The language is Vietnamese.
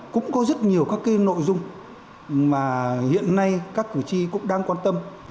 cũng có rất nhiều các cái nội dung mà hiện nay các cử tri cũng đang quan tâm